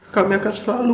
kami akan selalu